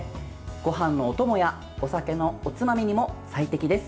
ごはんのお供やお酒のおつまみにも最適です。